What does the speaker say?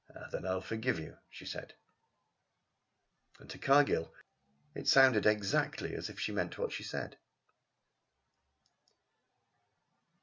"Then I will forgive you," she said. And to Cargill it sounded exactly as if she meant what she said.